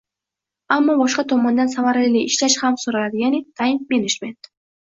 ammo boshqa tomondan samarali ishlash ham soʻraladi, yaʼni “taym menejment”?